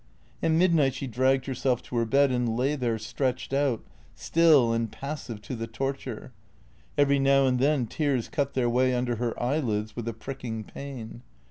At midnight she dragged herself to her bed, and lay there, stretched out, still and passive to the torture. Every now and then tears cut their way under her eyelids with a pricking pain.